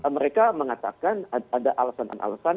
mereka mengatakan ada alasan alasan misalnya not to land